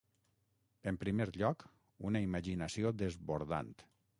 En primer lloc, una imaginació desbordant.